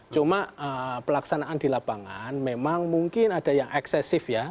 cuma pelaksanaan di lapangan memang mungkin ada yang eksesif ya